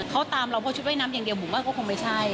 เขาตามเราเพราะชุดว่ายน้ำอย่างเดียวผมว่าก็คงไม่ใช่